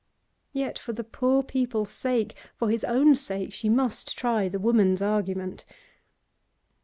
Yet for the poor people's sake, for his own sake, she must try the woman's argument.